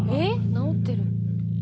直ってる。